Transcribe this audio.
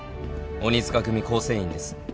鬼塚組構成員です。